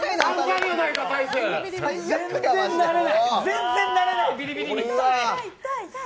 全然慣れない、ビリビリに。